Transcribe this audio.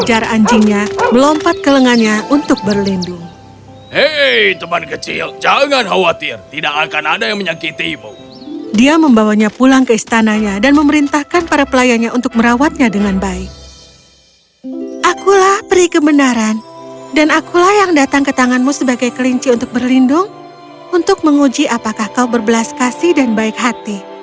akulah perikebenaran dan akulah yang datang ke tanganmu sebagai kelinci untuk berlindung untuk menguji apakah kau berbelas kasih dan baik hati